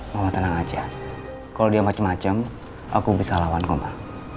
mama tenang aja kalau dia macam macam aku bisa lawan koma